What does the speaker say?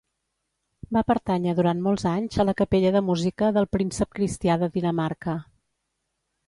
Va pertànyer durant molts anys a la capella de música del príncep Cristià de Dinamarca.